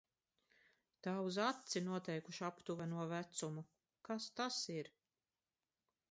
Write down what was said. Tā uz aci noteikuši aptuveno vecumu. Kas tas ir?